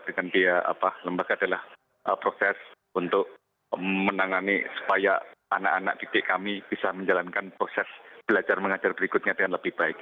dengan biaya adalah proses untuk menangani supaya anak anak didik kami bisa menjalankan proses belajar mengajar berikutnya dengan lebih baik